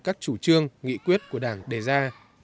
các chủ trương nghị quyết của đảng đề ra